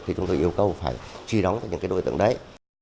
thì chúng tôi yêu cầu phải truy đóng cho những đối tượng đấy